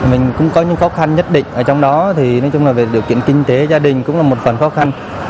mình cũng có những khó khăn nhất định ở trong đó thì nói chung là về điều kiện kinh tế gia đình cũng là một phần khó khăn